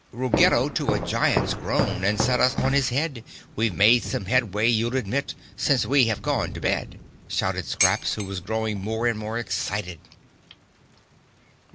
"Ruggedo to a giant's grown And set us on his head. We've made some headway, you'll admit, Since we have gone to bed!" —shouted Scraps, who was growing more and more excited.